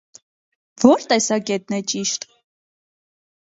Որ՞ տեսակետն է ճիշտ։